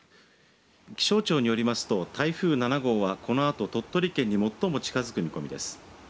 気象庁によりますと台風７号はこのあと鳥取県に最も近づく見込みです。